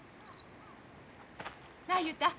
なあ雄太